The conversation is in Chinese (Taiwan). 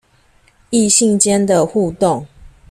異性間的互動